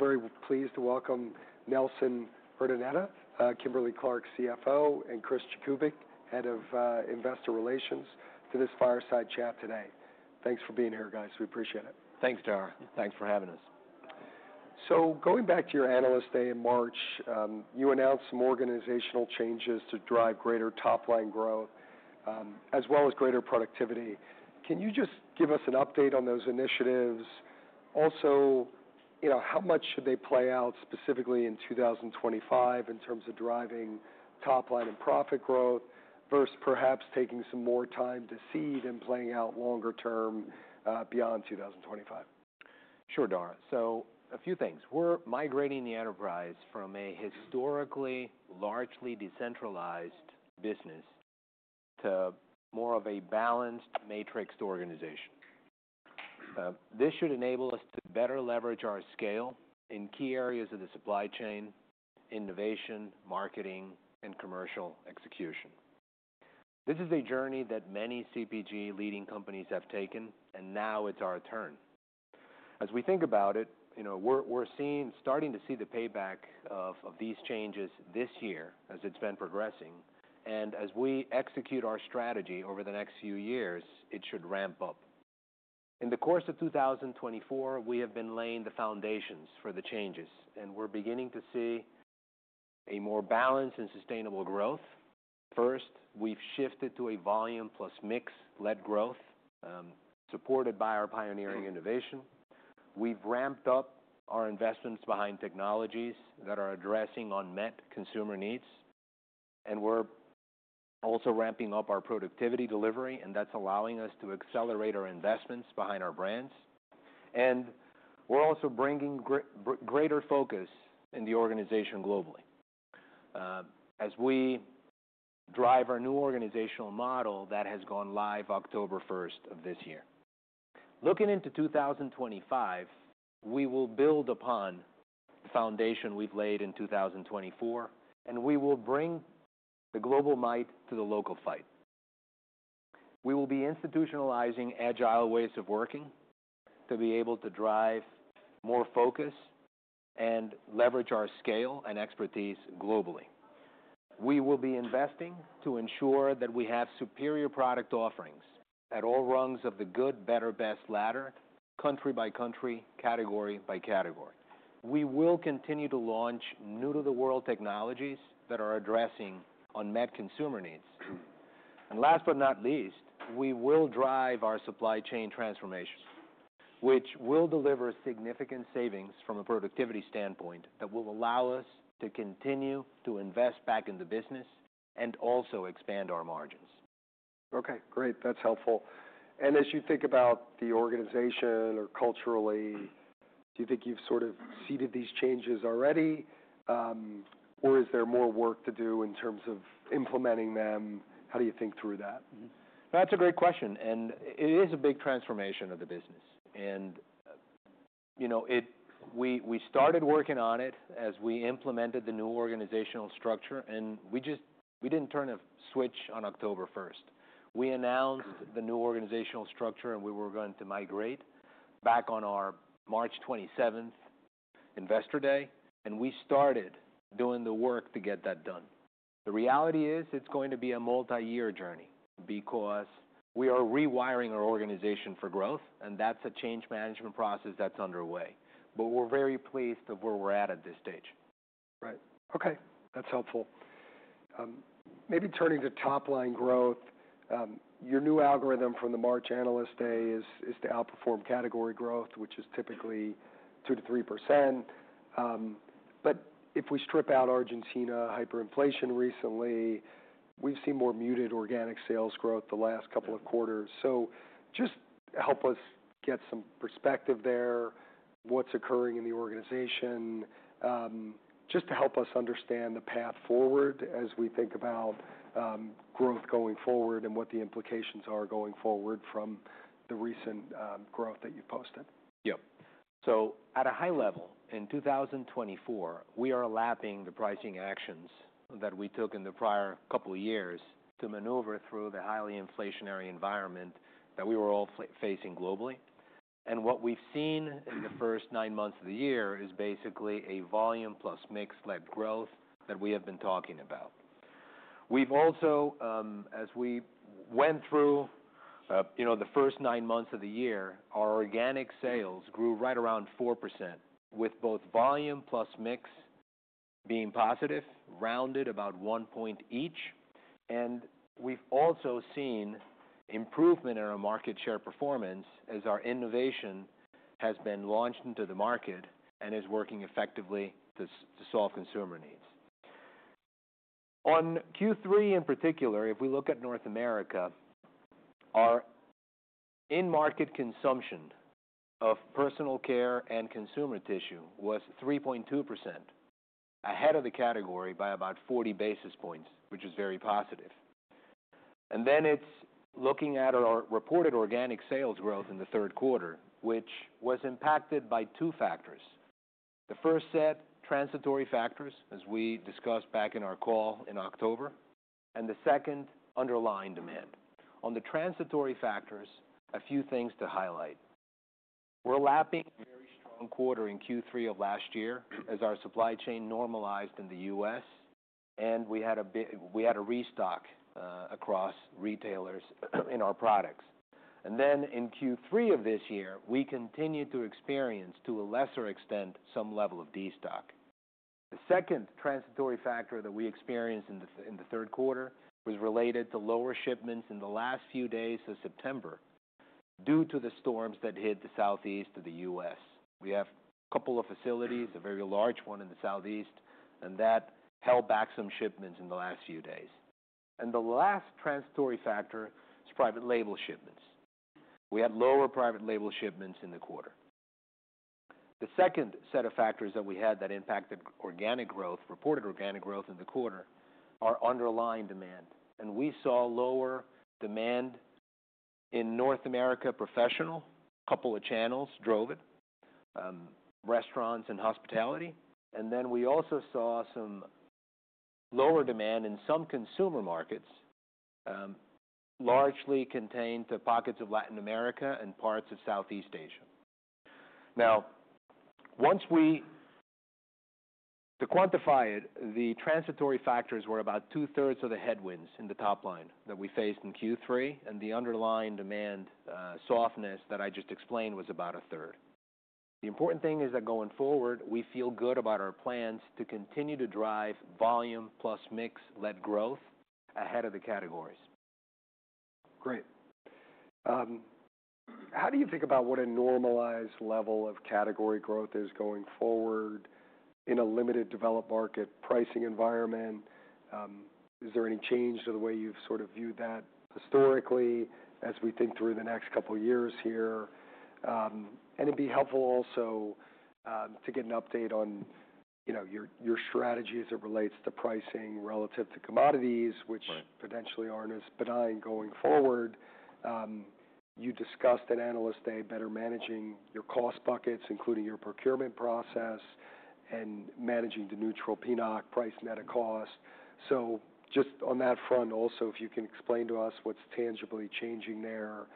I'm very pleased to welcome Nelson Urdaneta, Kimberly-Clark CFO, and Chris Jakubik, Head of Investor Relations, to this fireside chat today. Thanks for being here, guys. We appreciate it. Thanks, Dara. Thanks for having us. So going back to your analyst day in March, you announced some organizational changes to drive greater top-line growth, as well as greater productivity. Can you just give us an update on those initiatives? Also, how much should they play out specifically in 2025 in terms of driving top-line and profit growth, versus perhaps taking some more time to seed and playing out longer term beyond 2025? Sure, Dara. So a few things. We're migrating the enterprise from a historically largely decentralized business to more of a balanced matrixed organization. This should enable us to better leverage our scale in key areas of the supply chain: innovation, marketing, and commercial execution. This is a journey that many CPG-leading companies have taken, and now it's our turn. As we think about it, we're starting to see the payback of these changes this year as it's been progressing. And as we execute our strategy over the next few years, it should ramp up. In the course of 2024, we have been laying the foundations for the changes, and we're beginning to see a more balanced and sustainable growth. First, we've shifted to a volume-plus-mix-led growth, supported by our pioneering innovation. We've ramped up our investments behind technologies that are addressing unmet consumer needs. And we're also ramping up our productivity delivery, and that's allowing us to accelerate our investments behind our brands. And we're also bringing greater focus in the organization globally, as we drive our new organizational model that has gone live October 1st of this year. Looking into 2025, we will build upon the foundation we've laid in 2024, and we will bring the global might to the local fight. We will be institutionalizing agile ways of working to be able to drive more focus and leverage our scale and expertise globally. We will be investing to ensure that we have superior product offerings at all rungs of the Good, Better, Best ladder, country by country, category by category. We will continue to launch new-to-the-world technologies that are addressing unmet consumer needs. Last but not least, we will drive our supply chain transformation, which will deliver significant savings from a productivity standpoint that will allow us to continue to invest back in the business and also expand our margins. Okay, great. That's helpful. And as you think about the organization or culturally, do you think you've sort of seeded these changes already, or is there more work to do in terms of implementing them? How do you think through that? That's a great question. And it is a big transformation of the business. And we started working on it as we implemented the new organizational structure, and we didn't turn a switch on October 1st. We announced the new organizational structure, and we were going to migrate back on our March 27th Investor Day, and we started doing the work to get that done. The reality is it's going to be a multi-year journey because we are rewiring our organization for growth, and that's a change management process that's underway. But we're very pleased with where we're at at this stage. Right. Okay, that's helpful. Maybe turning to top-line growth, your new algorithm from the March Analyst Day is to outperform category growth, which is typically 2%-3%. But if we strip out Argentina hyperinflation recently, we've seen more muted organic sales growth the last couple of quarters. So just help us get some perspective there, what's occurring in the organization, just to help us understand the path forward as we think about growth going forward and what the implications are going forward from the recent growth that you've posted. Yep. So at a high level, in 2024, we are lapping the pricing actions that we took in the prior couple of years to maneuver through the highly inflationary environment that we were all facing globally. And what we've seen in the first nine months of the year is basically a volume-plus-mix-led growth that we have been talking about. We've also, as we went through the first nine months of the year, our organic sales grew right around 4%, with both volume plus mix being positive, rounded about one point each. And we've also seen improvement in our market share performance as our innovation has been launched into the market and is working effectively to solve consumer needs. On Q3 in particular, if we look at North America, our in-market consumption of personal care and consumer tissue was 3.2%, ahead of the category by about 40 basis points, which is very positive, and then it's looking at our reported organic sales growth in the third quarter, which was impacted by two factors. The first set, transitory factors, as we discussed back in our call in October, and the second, underlying demand. On the transitory factors, a few things to highlight. We're lapping a very strong quarter in Q3 of last year as our supply chain normalized in the U.S., and we had a restock across retailers in our products. And then in Q3 of this year, we continued to experience, to a lesser extent, some level of destock. The second transitory factor that we experienced in the third quarter was related to lower shipments in the last few days of September due to the storms that hit the Southeast of the U.S.. We have a couple of facilities, a very large one in the Southeast, and that held back some shipments in the last few days. And the last transitory factor is private label shipments. We had lower private label shipments in the quarter. The second set of factors that we had that impacted organic growth, reported organic growth in the quarter, are underlying demand. And we saw lower demand in North America Professional, a couple of channels drove it, restaurants and hospitality. And then we also saw some lower demand in some consumer markets, largely contained to pockets of Latin America and parts of Southeast Asia. Now, once we quantify it, the transitory factors were about two-thirds of the headwinds in the top line that we faced in Q3, and the underlying demand softness that I just explained was about a third. The important thing is that going forward, we feel good about our plans to continue to drive volume plus mix-led growth ahead of the categories. Great. How do you think about what a normalized level of category growth is going forward in a limited developed market pricing environment? Is there any change to the way you've sort of viewed that historically as we think through the next couple of years here? And it'd be helpful also to get an update on your strategy as it relates to pricing relative to commodities, which potentially aren't as benign going forward. You discussed at Analyst Day better managing your cost buckets, including your procurement process and managing the neutral PNOC, Price Net of Cost. So just on that front, also, if you can explain to us what's tangibly changing there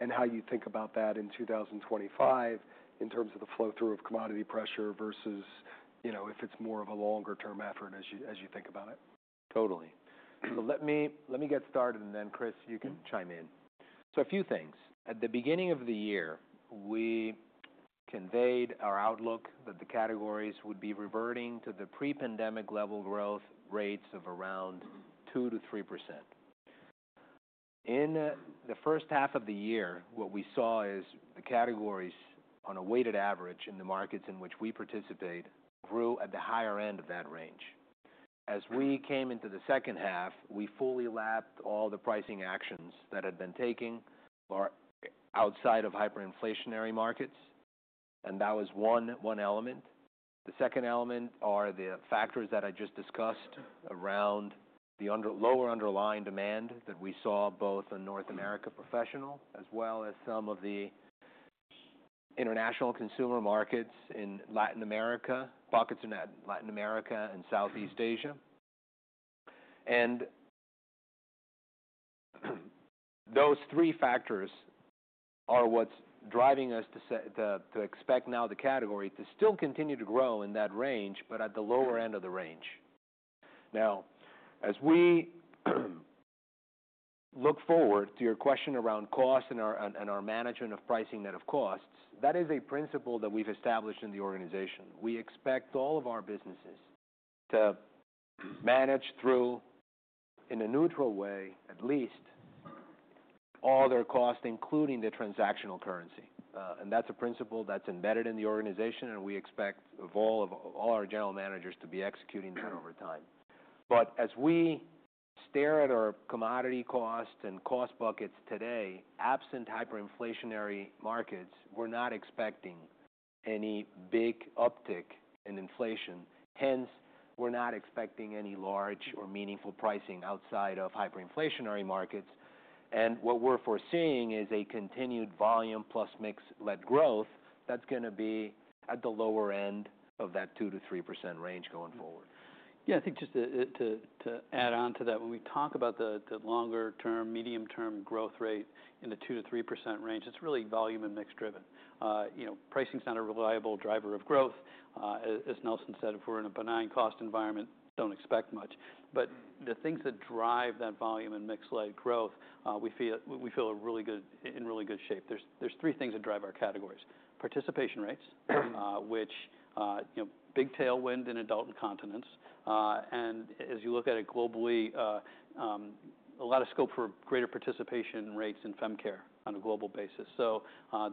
and how you think about that in 2025 in terms of the flow-through of commodity pressure versus if it's more of a longer-term effort as you think about it. Totally. So let me get started, and then, Chris, you can chime in. So a few things. At the beginning of the year, we conveyed our outlook that the categories would be reverting to the pre-pandemic level growth rates of around 2%-3%. In the first half of the year, what we saw is the categories, on a weighted average in the markets in which we participate, grew at the higher end of that range. As we came into the second half, we fully lapped all the pricing actions that had been taking outside of hyperinflationary markets, and that was one element. The second element are the factors that I just discussed around the lower underlying demand that we saw both in North America professional as well as some of the international consumer markets in Latin America, pockets in Latin America and Southeast Asia. And those three factors are what's driving us to expect now the category to still continue to grow in that range, but at the lower end of the range. Now, as we look forward to your question around cost and our management of pricing net of costs, that is a principle that we've established in the organization. We expect all of our businesses to manage through, in a neutral way at least, all their cost, including the transactional currency. And that's a principle that's embedded in the organization, and we expect all our general managers to be executing that over time. But as we stare at our commodity costs and cost buckets today, absent hyperinflationary markets, we're not expecting any big uptick in inflation. Hence, we're not expecting any large or meaningful pricing outside of hyperinflationary markets. What we're foreseeing is a continued volume plus mix-led growth that's going to be at the lower end of that 2%-3% range going forward. Yeah, I think just to add on to that, when we talk about the longer-term, medium-term growth rate in the 2%-3% range, it's really volume and mix-driven. Pricing is not a reliable driver of growth. As Nelson said, if we're in a benign cost environment, don't expect much. But the things that drive that volume and mix-led growth, we feel in really good shape. There's three things that drive our categories: participation rates, which big tailwind in adult incontinence, and as you look at it globally, a lot of scope for greater participation rates in fem care on a global basis, so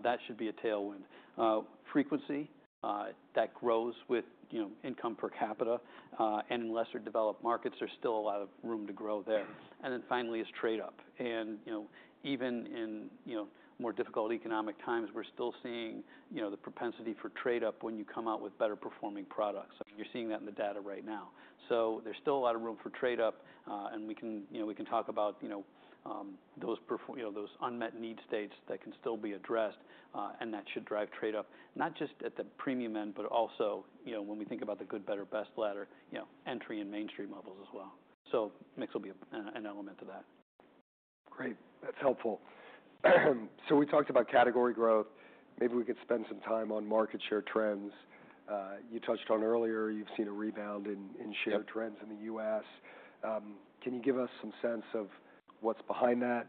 that should be a tailwind, frequency that grows with income per capita, and in lesser developed markets, there's still a lot of room to grow there, and then finally is trade-up. And even in more difficult economic times, we're still seeing the propensity for trade-up when you come out with better-performing products. You're seeing that in the data right now. So there's still a lot of room for trade-up, and we can talk about those unmet need states that can still be addressed, and that should drive trade-up, not just at the premium end, but also when we think about the good, better, best ladder, entry and mainstream levels as well. So mix will be an element of that. Great. That's helpful. So we talked about category growth. Maybe we could spend some time on market share trends. You touched on earlier you've seen a rebound in share trends in the U.S.. Can you give us some sense of what's behind that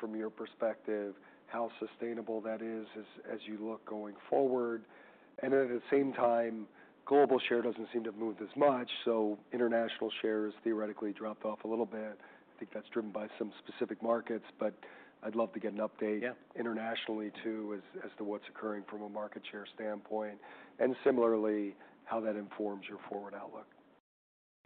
from your perspective, how sustainable that is as you look going forward? At the same time, global share doesn't seem to have moved as much, so international shares theoretically dropped off a little bit. I think that's driven by some specific markets, but I'd love to get an update internationally too as to what's occurring from a market share standpoint and similarly how that informs your forward outlook.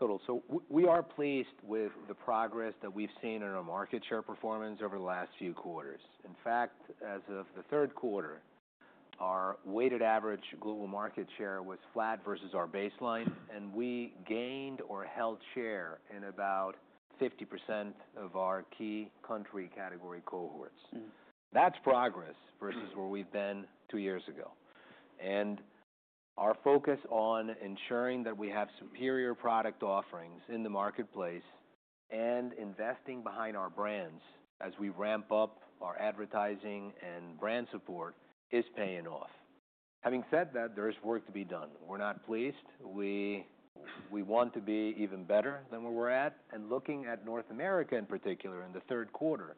Total. So we are pleased with the progress that we've seen in our market share performance over the last few quarters. In fact, as of the third quarter, our weighted average global market share was flat versus our baseline, and we gained or held share in about 50% of our key country category cohorts. That's progress versus where we've been two years ago. And our focus on ensuring that we have superior product offerings in the marketplace and investing behind our brands as we ramp up our advertising and brand support is paying off. Having said that, there is work to be done. We're not pleased. We want to be even better than where we're at. Looking at North America in particular in the third quarter,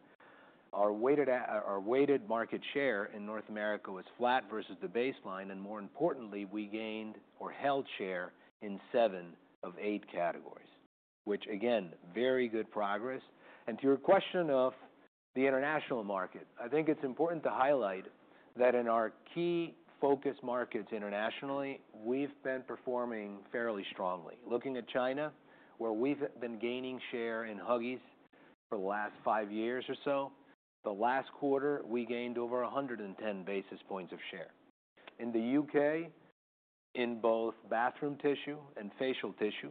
our weighted market share in North America was flat versus the baseline, and more importantly, we gained or held share in seven of eight categories, which, again, very good progress. To your question of the international market, I think it's important to highlight that in our key focus markets internationally, we've been performing fairly strongly. Looking at China, where we've been gaining share in Huggies for the last five years or so, the last quarter we gained over 110 basis points of share. In the U.K., in both bathroom tissue and facial tissue,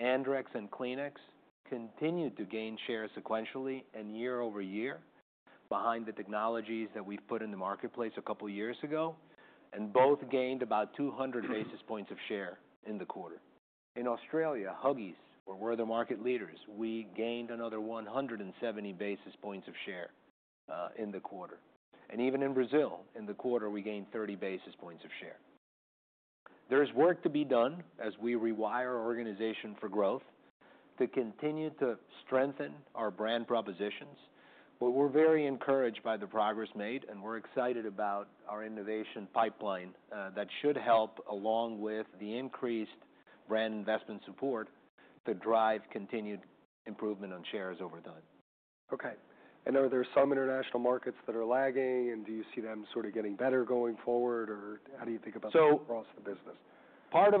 Andrex and Kleenex continued to gain share sequentially and year-over-year behind the technologies that we've put in the marketplace a couple of years ago, and both gained about 200 basis points of share in the quarter. In Australia, Huggies were the market leaders. We gained another 170 basis points of share in the quarter. And even in Brazil, in the quarter, we gained 30 basis points of share. There is work to be done as we rewire our organization for growth to continue to strengthen our brand propositions, but we're very encouraged by the progress made, and we're excited about our innovation pipeline that should help along with the increased brand investment support to drive continued improvement on shares over time. Okay. And are there some international markets that are lagging, and do you see them sort of getting better going forward, or how do you think about that across the business? Part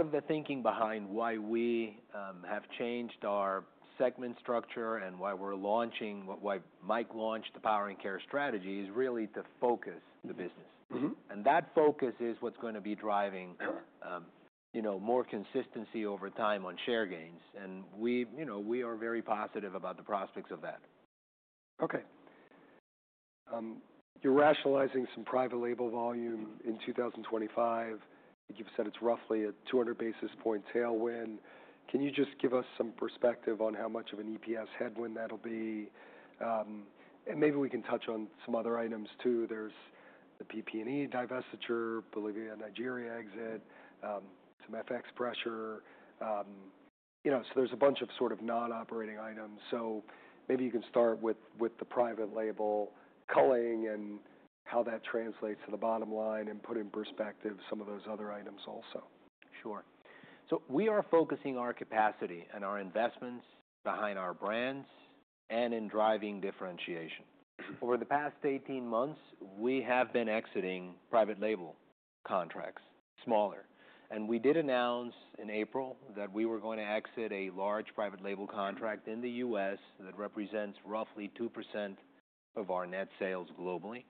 of the thinking behind why we have changed our segment structure and why we're launching, why Mike launched the Powering Care strategy is really to focus the business, and that focus is what's going to be driving more consistency over time on share gains, and we are very positive about the prospects of that. Okay. You're rationalizing some private label volume in 2025. You've said it's roughly a 200 basis point tailwind. Can you just give us some perspective on how much of an EPS headwind that'll be? And maybe we can touch on some other items too. There's the PPE divestiture, Bolivia, Nigeria exit, some FX pressure. So there's a bunch of sort of non-operating items. So maybe you can start with the private label culling and how that translates to the bottom line and put in perspective some of those other items also. Sure. So we are focusing our capacity and our investments behind our brands and in driving differentiation. Over the past 18 months, we have been exiting private label contracts, smaller, and we did announce in April that we were going to exit a large private label contract in the U.S. that represents roughly 2% of our net sales globally.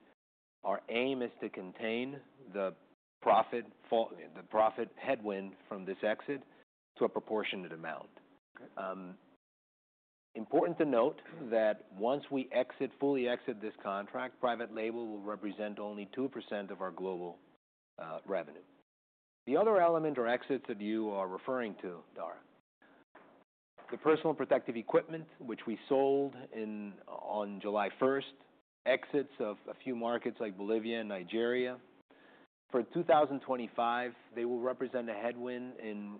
Our aim is to contain the profit headwind from this exit to a proportionate amount. Important to note that once we fully exit this contract, private label will represent only 2% of our global revenue. The other element or exits that you are referring to, Dara, the personal protective equipment, which we sold on July 1st, exits of a few markets like Bolivia and Nigeria. For 2025, they will represent a headwind in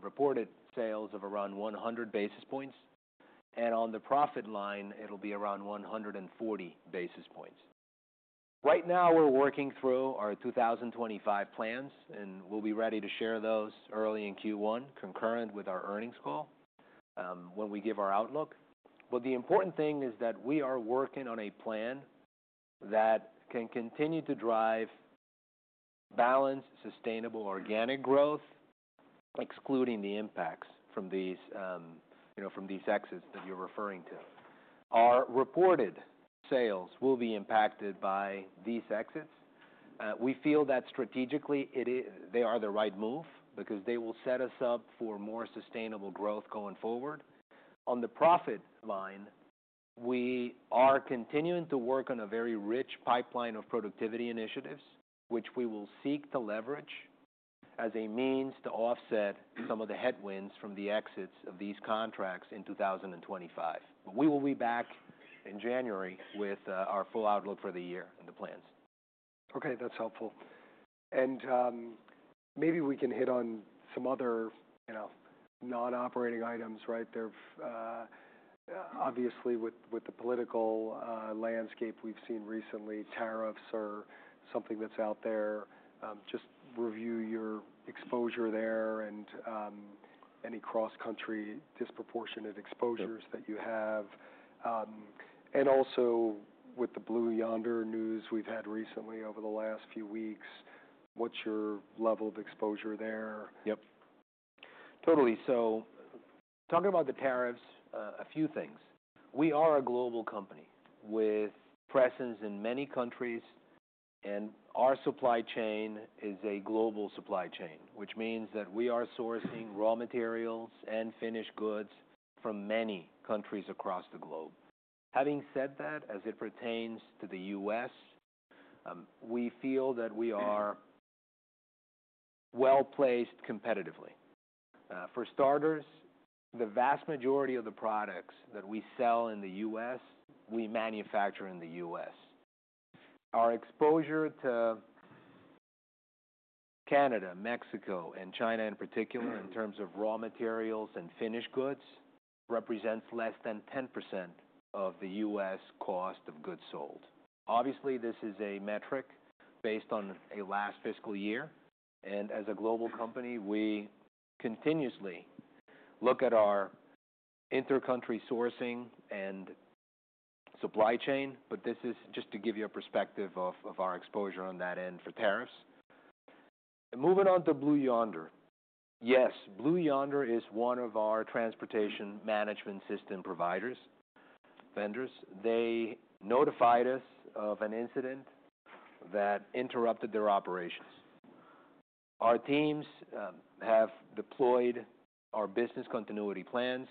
reported sales of around 100 basis points, and on the profit line, it'll be around 140 basis points. Right now, we're working through our 2025 plans, and we'll be ready to share those early in Q1, concurrent with our earnings call when we give our outlook. But the important thing is that we are working on a plan that can continue to drive balanced, sustainable, organic growth, excluding the impacts from these exits that you're referring to. Our reported sales will be impacted by these exits. We feel that strategically they are the right move because they will set us up for more sustainable growth going forward. On the profit line, we are continuing to work on a very rich pipeline of productivity initiatives, which we will seek to leverage as a means to offset some of the headwinds from the exits of these contracts in 2025. But we will be back in January with our full outlook for the year and the plans. Okay. That's helpful. And maybe we can hit on some other non-operating items, right? Obviously, with the political landscape we've seen recently, tariffs are something that's out there. Just review your exposure there and any cross-country disproportionate exposures that you have. And also with the Blue Yonder news we've had recently over the last few weeks, what's your level of exposure there? Yep. Totally. So talking about the tariffs, a few things. We are a global company with presence in many countries, and our supply chain is a global supply chain, which means that we are sourcing raw materials and finished goods from many countries across the globe. Having said that, as it pertains to the U.S., we feel that we are well-placed competitively. For starters, the vast majority of the products that we sell in the U.S., we manufacture in the U.S. Our exposure to Canada, Mexico, and China in particular in terms of raw materials and finished goods represents less than 10% of the U.S. cost of goods sold. Obviously, this is a metric based on a last fiscal year. As a global company, we continuously look at our inter-country sourcing and supply chain, but this is just to give you a perspective of our exposure on that end for tariffs. Moving on to Blue Yonder. Yes, Blue Yonder is one of our transportation management system vendors. They notified us of an incident that interrupted their operations. Our teams have deployed our business continuity plans,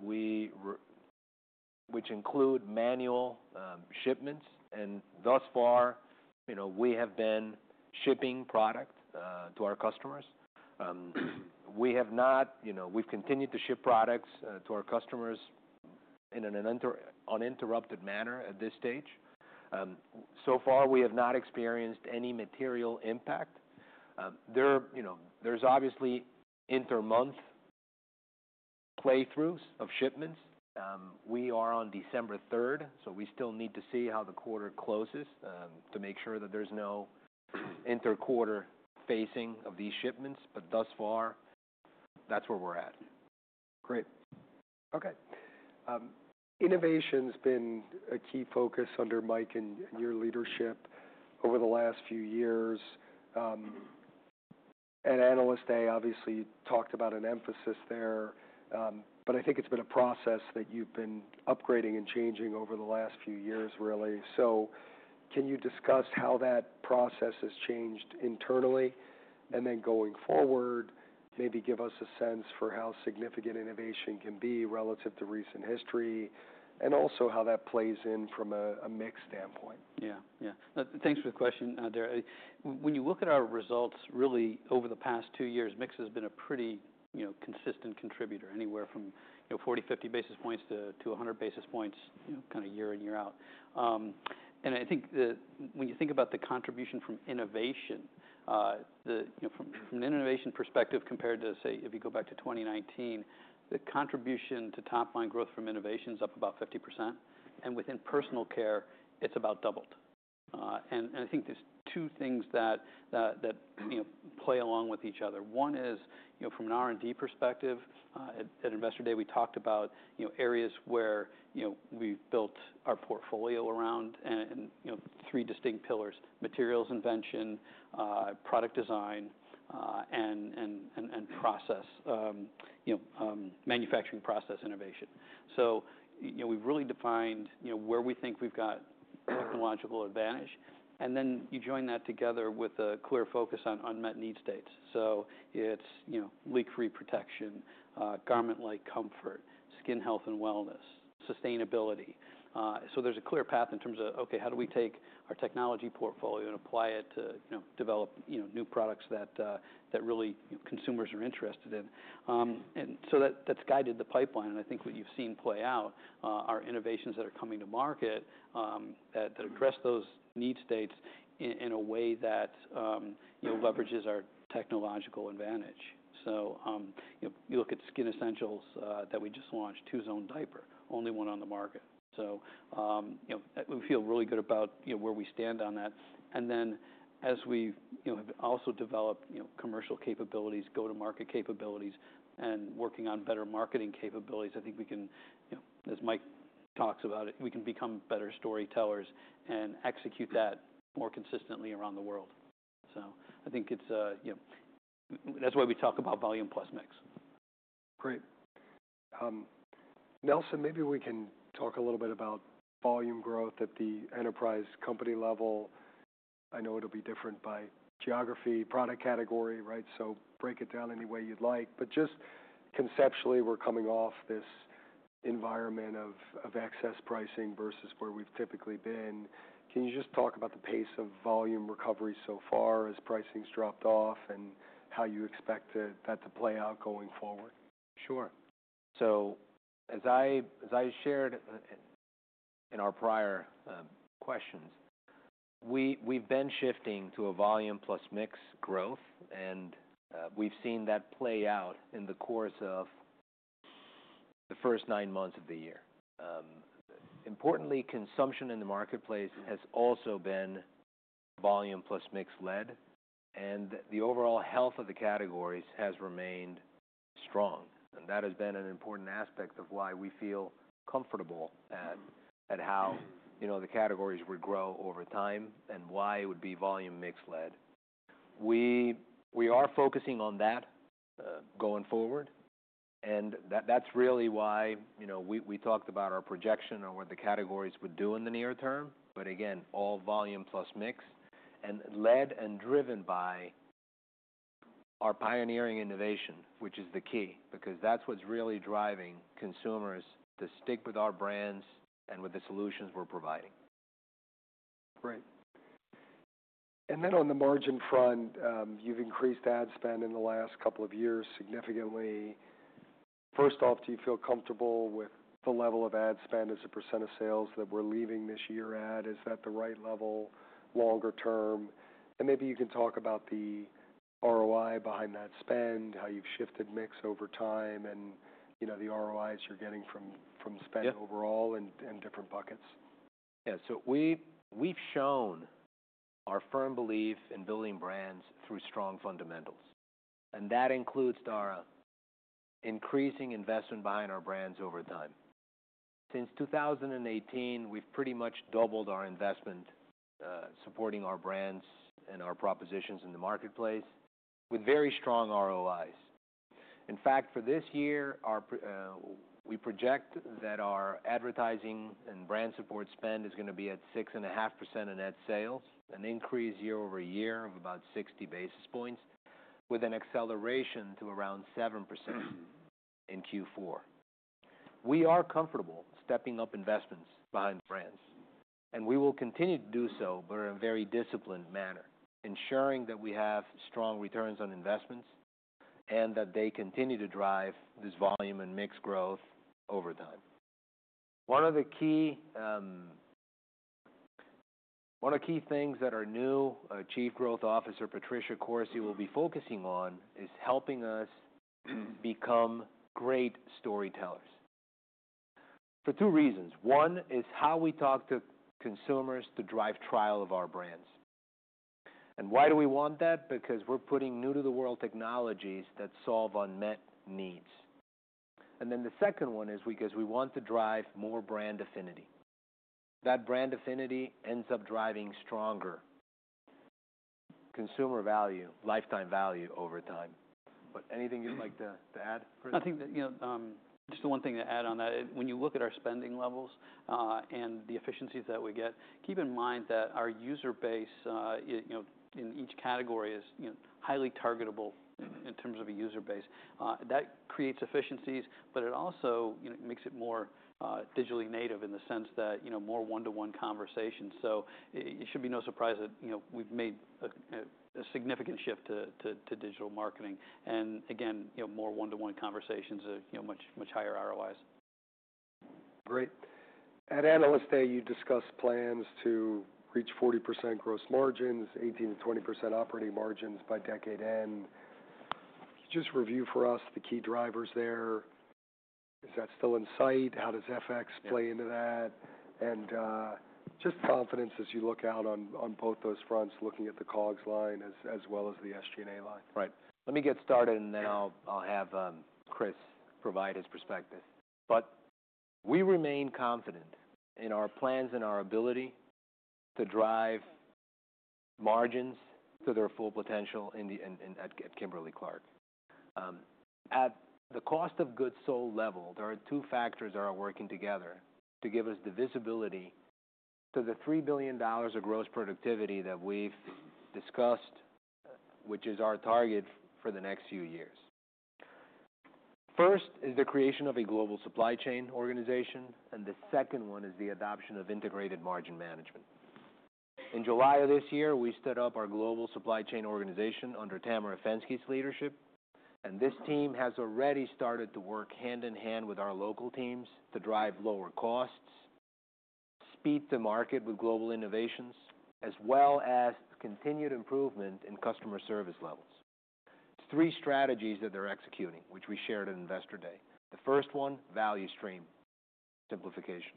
which include manual shipments. Thus far, we have been shipping product to our customers. We have not. We've continued to ship products to our customers in an uninterrupted manner at this stage so far. We have not experienced any material impact. There's obviously inter-month playthroughs of shipments. We are on December 3rd, so we still need to see how the quarter closes to make sure that there's no inter-quarter phasing of these shipments. Thus far, that's where we're at. Great. Okay. Innovation has been a key focus under Mike and your leadership over the last few years. At Analyst Day, obviously, you talked about an emphasis there, but I think it's been a process that you've been upgrading and changing over the last few years, really. So can you discuss how that process has changed internally and then going forward, maybe give us a sense for how significant innovation can be relative to recent history and also how that plays in from a mix standpoint? Yeah. Yeah. Thanks for the question, Dara. When you look at our results, really, over the past two years, mix has been a pretty consistent contributor, anywhere from 40-50 basis points to 100 basis points, kind of year in, year out. And I think that when you think about the contribution from innovation, from an innovation perspective compared to, say, if you go back to 2019, the contribution to top-line growth from innovation is up about 50%. And within personal care, it's about doubled. And I think there's two things that play along with each other. One is, from an R&D perspective, at Investor Day, we talked about areas where we've built our portfolio around three distinct pillars: materials invention, product design, and manufacturing process innovation. So we've really defined where we think we've got technological advantage. And then you join that together with a clear focus on unmet need states. So it's leak-free protection, garment-like comfort, skin health and wellness, sustainability. So there's a clear path in terms of, okay, how do we take our technology portfolio and apply it to develop new products that really consumers are interested in? And so that's guided the pipeline. And I think what you've seen play out are innovations that are coming to market that address those need states in a way that leverages our technological advantage. So you look at Skin Essentials that we just launched, two-zone diaper, only one on the market. So we feel really good about where we stand on that. And then as we have also developed commercial capabilities, go-to-market capabilities, and working on better marketing capabilities, I think we can, as Mike talks about it, we can become better storytellers and execute that more consistently around the world. So I think that's why we talk about volume plus mix. Great. Nelson, maybe we can talk a little bit about volume growth at the enterprise company level. I know it'll be different by geography, product category, right? So break it down any way you'd like. But just conceptually, we're coming off this environment of excess pricing versus where we've typically been. Can you just talk about the pace of volume recovery so far as pricing's dropped off and how you expect that to play out going forward? Sure. So as I shared in our prior questions, we've been shifting to a volume plus mix growth, and we've seen that play out in the course of the first nine months of the year. Importantly, consumption in the marketplace has also been volume plus mix led, and the overall health of the categories has remained strong. And that has been an important aspect of why we feel comfortable at how the categories would grow over time and why it would be volume mix led. We are focusing on that going forward, and that's really why we talked about our projection on what the categories would do in the near term. But again, all volume plus mix and led and driven by our pioneering innovation, which is the key because that's what's really driving consumers to stick with our brands and with the solutions we're providing. Great. And then on the margin front, you've increased ad spend in the last couple of years significantly. First off, do you feel comfortable with the level of ad spend as a % of sales that we're leaving this year at? Is that the right level longer term? And maybe you can talk about the ROI behind that spend, how you've shifted mix over time and the ROIs you're getting from spend overall and different buckets. Yeah. So we've shown our firm belief in building brands through strong fundamentals. And that includes, Dara, increasing investment behind our brands over time. Since 2018, we've pretty much doubled our investment supporting our brands and our propositions in the marketplace with very strong ROIs. In fact, for this year, we project that our advertising and brand support spend is going to be at 6.5% in net sales, an increase year-over-year of about 60 basis points, with an acceleration to around 7% in Q4. We are comfortable stepping up investments behind brands, and we will continue to do so, but in a very disciplined manner, ensuring that we have strong returns on investments and that they continue to drive this volume and mix growth over time. One of the key things that our new Chief Growth Officer, Patricia Corsi, will be focusing on is helping us become great storytellers for two reasons. One is how we talk to consumers to drive trial of our brands, and why do we want that? Because we're putting new-to-the-world technologies that solve unmet needs, and then the second one is because we want to drive more brand affinity. That brand affinity ends up driving stronger consumer value, lifetime value over time. But anything you'd like to add, Chris? I think just the one thing to add on that. When you look at our spending levels and the efficiencies that we get, keep in mind that our user base in each category is highly targetable in terms of a user base. That creates efficiencies, but it also makes it more digitally native in the sense that more one-to-one conversations, so it should be no surprise that we've made a significant shift to digital marketing, and again, more one-to-one conversations are much higher ROIs. Great. At Analyst Day, you discussed plans to reach 40% gross margins, 18%-20% operating margins by decade end. Just review for us the key drivers there. Is that still in sight? How does FX play into that? And just confidence as you look out on both those fronts, looking at the COGS line as well as the SG&A line. Right. Let me get started, and then I'll have Chris provide his perspective. But we remain confident in our plans and our ability to drive margins to their full potential at Kimberly-Clark. At the cost of goods sold level, there are two factors that are working together to give us the visibility to the $3 billion of gross productivity that we've discussed, which is our target for the next few years. First is the creation of a global supply chain organization, and the second one is the adoption of integrated margin management. In July of this year, we stood up our global supply chain organization under Tamera Fenske's leadership, and this team has already started to work hand in hand with our local teams to drive lower costs, speed the market with global innovations, as well as continued improvement in customer service levels. It's three strategies that they're executing, which we shared at Investor Day. The first one, Value Stream Simplification.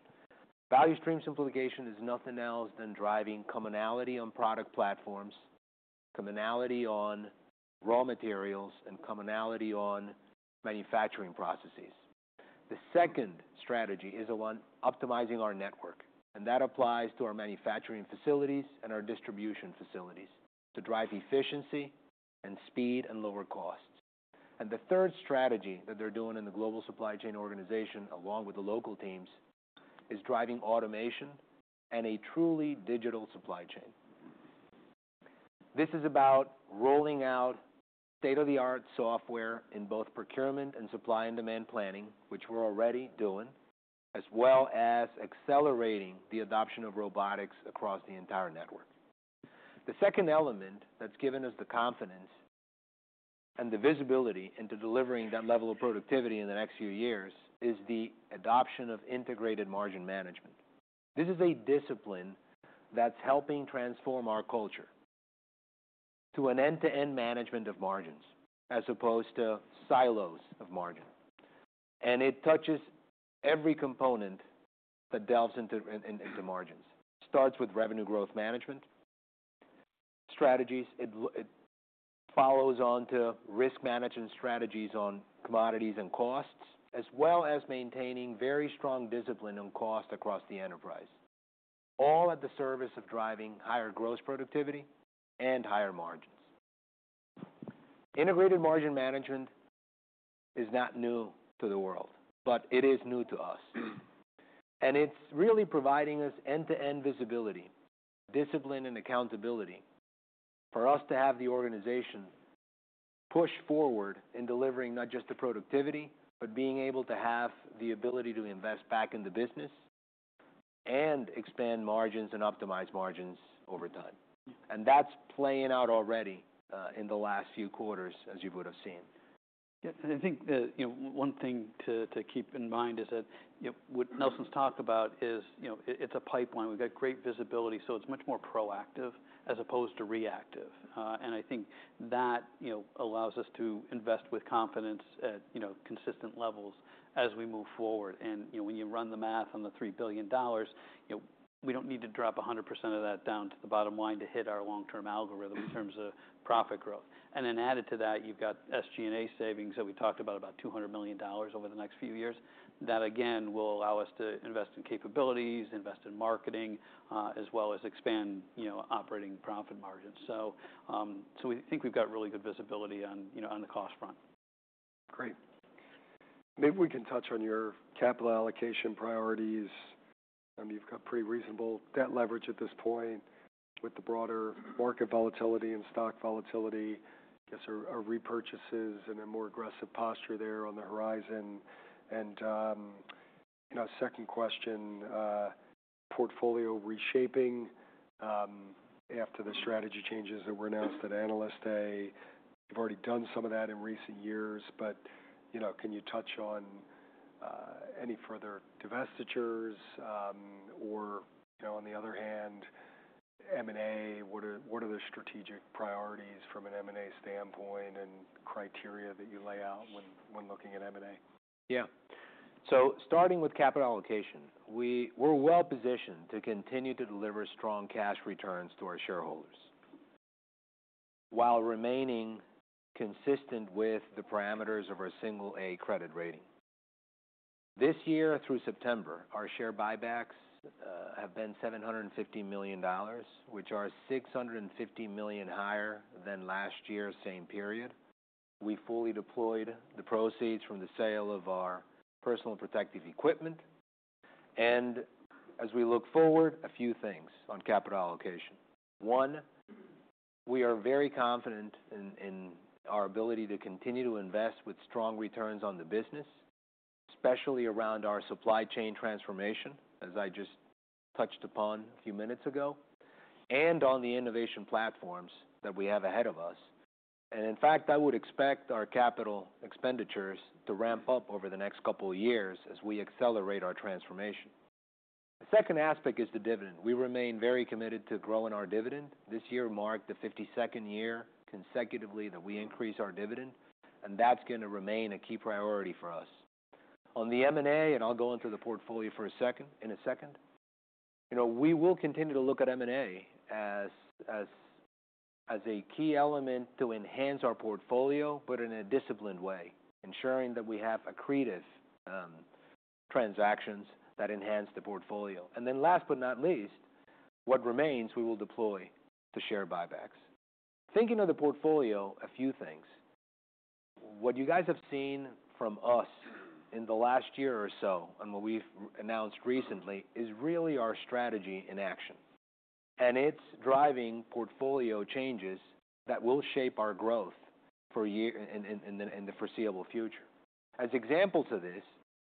Value Stream Simplification is nothing else than driving commonality on product platforms, commonality on raw materials, and commonality on manufacturing processes. The second strategy is on optimizing our network, and that applies to our manufacturing facilities and our distribution facilities to drive efficiency and speed and lower costs, and the third strategy that they're doing in the global supply chain organization, along with the local teams, is driving automation and a truly digital supply chain. This is about rolling out state-of-the-art software in both procurement and supply and demand planning, which we're already doing, as well as accelerating the adoption of robotics across the entire network. The second element that's given us the confidence and the visibility into delivering that level of productivity in the next few years is the adoption of Integrated Margin Management. This is a discipline that's helping transform our culture to an end-to-end management of margins as opposed to silos of margin. And it touches every component that delves into margins. It starts with Revenue Growth Management strategies. It follows on to risk management strategies on commodities and costs, as well as maintaining very strong discipline on cost across the enterprise, all at the service of driving higher gross productivity and higher margins. Integrated Margin Management is not new to the world, but it is new to us. And it's really providing us end-to-end visibility, discipline, and accountability for us to have the organization push forward in delivering not just the productivity, but being able to have the ability to invest back in the business and expand margins and optimize margins over time. And that's playing out already in the last few quarters, as you would have seen. Yeah. And I think one thing to keep in mind is that what Nelson's talked about is it's a pipeline. We've got great visibility, so it's much more proactive as opposed to reactive. And I think that allows us to invest with confidence at consistent levels as we move forward. And when you run the math on the $3 billion, we don't need to drop 100% of that down to the bottom line to hit our long-term algorithm in terms of profit growth. And then added to that, you've got SG&A savings that we talked about, about $200 million over the next few years. That, again, will allow us to invest in capabilities, invest in marketing, as well as expand operating profit margins. So we think we've got really good visibility on the cost front. Great. Maybe we can touch on your capital allocation priorities. You've got pretty reasonable debt leverage at this point with the broader market volatility and stock volatility. I guess there are repurchases and a more aggressive posture there on the horizon, and second question, portfolio reshaping after the strategy changes that were announced at Analyst Day. You've already done some of that in recent years, but can you touch on any further divestitures, or on the other hand, M&A, what are the strategic priorities from an M&A standpoint and criteria that you lay out when looking at M&A? Yeah. So starting with capital allocation, we're well-positioned to continue to deliver strong cash returns to our shareholders while remaining consistent with the parameters of our Single-A credit rating. This year, through September, our share buybacks have been $750 million, which are $650 million higher than last year, same period. We fully deployed the proceeds from the sale of our personal protective equipment, and as we look forward, a few things on capital allocation. One, we are very confident in our ability to continue to invest with strong returns on the business, especially around our supply chain transformation, as I just touched upon a few minutes ago, and on the innovation platforms that we have ahead of us, and in fact, I would expect our capital expenditures to ramp up over the next couple of years as we accelerate our transformation. The second aspect is the dividend. We remain very committed to growing our dividend. This year marked the 52nd year consecutively that we increase our dividend, and that's going to remain a key priority for us. On the M&A, and I'll go into the portfolio in a second, we will continue to look at M&A as a key element to enhance our portfolio, but in a disciplined way, ensuring that we have accretive transactions that enhance the portfolio. And then last but not least, what remains, we will deploy to share buybacks. Thinking of the portfolio, a few things. What you guys have seen from us in the last year or so and what we've announced recently is really our strategy in action. And it's driving portfolio changes that will shape our growth in the foreseeable future. As examples of this,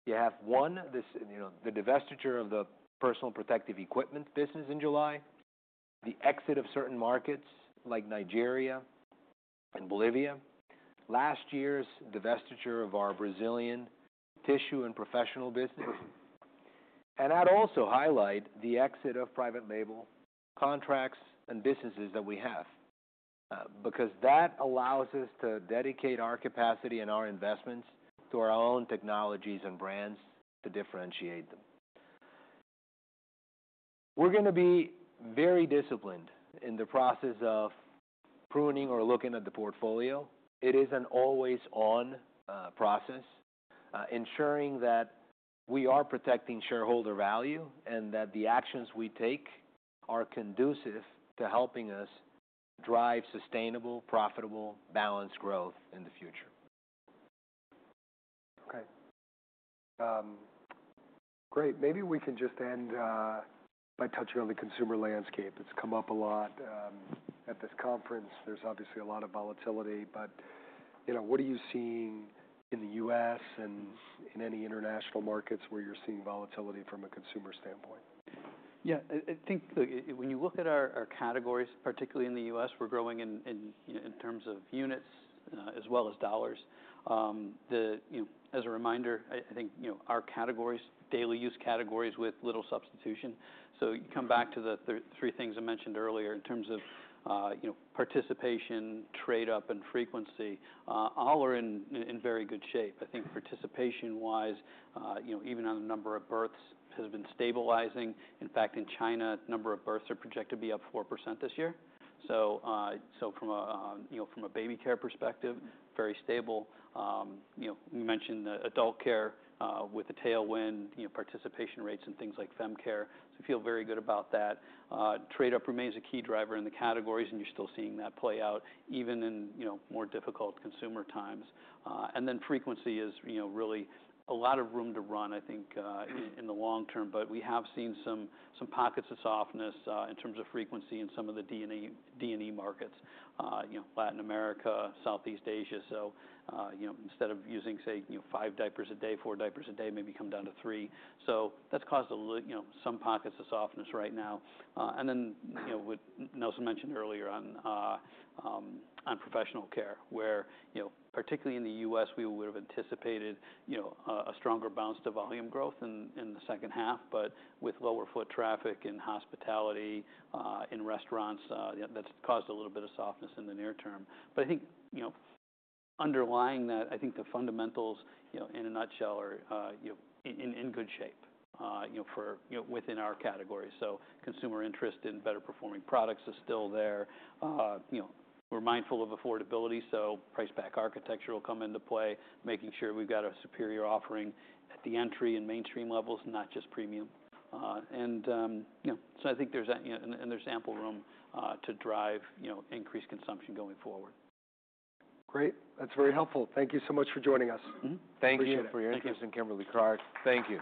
you have one, the divestiture of the personal protective equipment business in July, the exit of certain markets like Nigeria and Bolivia, last year's divestiture of our Brazilian tissue and professional business, and I'd also highlight the exit of private label contracts and businesses that we have because that allows us to dedicate our capacity and our investments to our own technologies and brands to differentiate them. We're going to be very disciplined in the process of pruning or looking at the portfolio. It is an always-on process, ensuring that we are protecting shareholder value and that the actions we take are conducive to helping us drive sustainable, profitable, balanced growth in the future. Okay. Great. Maybe we can just end by touching on the consumer landscape. It's come up a lot at this conference. There's obviously a lot of volatility. But what are you seeing in the U.S. and in any international markets where you're seeing volatility from a consumer standpoint? Yeah. I think when you look at our categories, particularly in the U.S., we're growing in terms of units as well as dollars. As a reminder, I think our categories, daily use categories with little substitution. So you come back to the three things I mentioned earlier in terms of participation, trade-up, and frequency, all are in very good shape. I think participation-wise, even on the number of births, has been stabilizing. In fact, in China, the number of births are projected to be up 4% this year. So from a baby care perspective, very stable. You mentioned adult care with a tailwind, participation rates and things like fem care. So we feel very good about that. Trade-up remains a key driver in the categories, and you're still seeing that play out even in more difficult consumer times. And then frequency is really a lot of room to run, I think, in the long term. But we have seen some pockets of softness in terms of frequency in some of the D&E markets, Latin America, Southeast Asia. So instead of using, say, five diapers a day, four diapers a day, maybe come down to three. So that's caused some pockets of softness right now. And then what Nelson mentioned earlier on professional care, where particularly in the U.S., we would have anticipated a stronger bounce to volume growth in the second half, but with lower foot traffic in hospitality, in restaurants, that's caused a little bit of softness in the near term. But I think underlying that, I think the fundamentals in a nutshell are in good shape within our category. So consumer interest in better-performing products is still there. We're mindful of affordability, so price pack architecture will come into play, making sure we've got a superior offering at the entry and mainstream levels, not just premium. And so I think there's ample room to drive increased consumption going forward. Great. That's very helpful. Thank you so much for joining us. Thank you. Appreciate it. Appreciate it. For your interest in Kimberly-Clark. Thank you.